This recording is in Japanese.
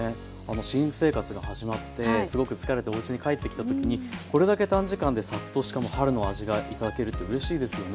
新生活が始まってすごく疲れておうちに帰ってきた時にこれだけ短時間でサッとしかも春の味が頂けるってうれしいですよね。